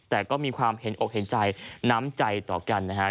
แต่ก็มีความเห็นอกเห็นใจน้ำใจต่อกันนะฮะ